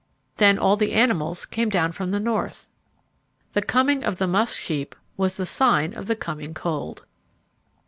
Then all the animals came down from the north. The coming of the musk sheep was the sign of the coming cold.